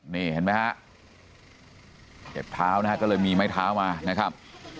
นี่เห็นไหมฮะเจ็บเท้านะฮะก็เลยมีไม้เท้ามานะครับ